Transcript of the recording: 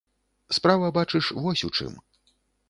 Справа, бачыш, вось у чым.